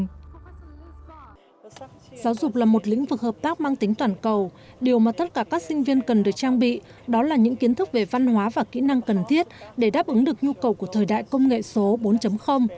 giáo dục là một lĩnh vực hợp tác mang tính toàn cầu điều mà tất cả các sinh viên cần được trang bị đó là những kiến thức về văn hóa và kỹ năng cần thiết để đáp ứng được nhu cầu của thời đại công nghệ số bốn